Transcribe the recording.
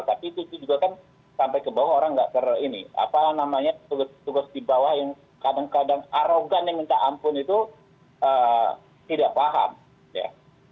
tapi itu juga kan sampai ke bawah orang nggak ter ini apalah namanya tugas di bawah yang kadang kadang arogan yang minta ampun itu tidak paham ya